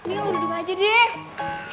ini lo duduk aja deh